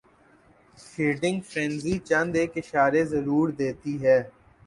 feeding frenzy چند ایک اشارے ضرور دیتی ہے